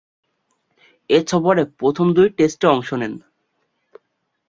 এ সফরের প্রথম দুই টেস্টে অংশ নেন।